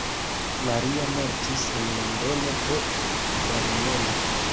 Maria mortis en Londono pro variolo.